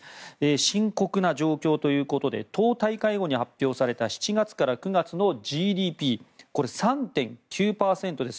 深刻な状況ということで党大会後に発表された７月から９月のＧＤＰ３．９％です。